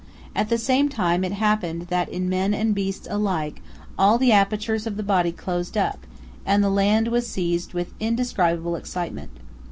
At the same time it happened that in men and beasts alike all the apertures of the body closed up, and the land was seized with indescribable excitement.